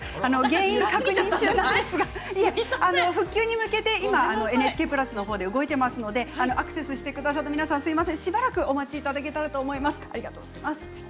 原因確認中ですが復旧に向けてＮＨＫプラス動いておりますのでアクセスしてくださった皆さん申し訳ありません、しばらくお待ちいただけたらと思います。